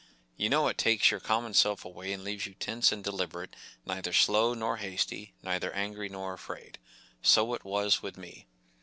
You know it takes your common self away and leaves you tense and deliberate, neither slow nor hasty, neither angry nor afraid. So it was w'ith me.